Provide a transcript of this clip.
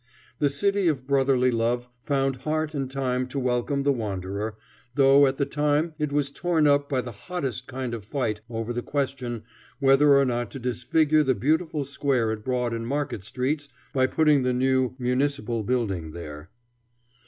The City of Brotherly Love found heart and time to welcome the wanderer, though at the time it was torn up by the hottest kind of fight over the question whether or not to disfigure the beautiful square at Broad and Market streets by putting the new municipal building there.